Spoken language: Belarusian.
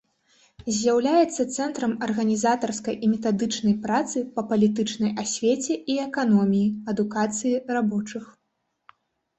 З'яўляецца цэнтрам арганізатарскай і метадычнай працы па палітычнай асвеце і эканоміі, адукацыі рабочых.